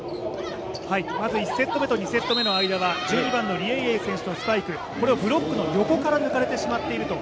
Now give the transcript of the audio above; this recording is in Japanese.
まず１セット目と２セット目の間は、１２番のリ・エイエイ選手のスパイクこれをブロックの横から抜かれてしまっていると。